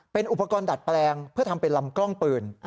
เป็นอุปกรณ์ดัดแปลงเพื่อทำเป็นลำกล้องปืน